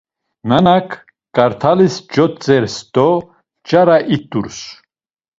Nanak kart̆alis cotzers do nç̌ara it̆urs.